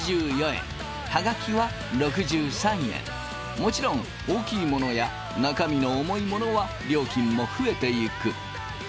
もちろん大きいものや中身の重いものは料金も増えていく。